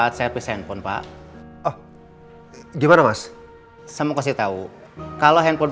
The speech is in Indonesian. halo saya dari tempat servis handphone pak oh gimana mas sama kasih tahu kalau handphone